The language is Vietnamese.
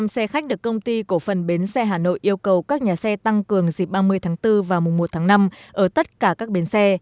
bảy trăm một mươi năm xe khách được công ty cổ phần bến xe hà nội yêu cầu các nhà xe tăng cường dịp ba mươi tháng bốn và mùng một tháng năm ở tất cả các bến xe